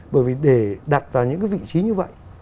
bởi vì để đặt vào những cái vị trí như vậy